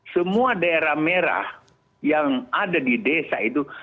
semua daerah merah yang ada di desa itu